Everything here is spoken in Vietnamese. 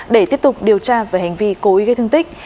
để tiếp tục điều tra về hành vi cố ý gây thương tích